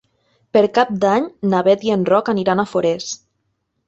Per Cap d'Any na Beth i en Roc aniran a Forès.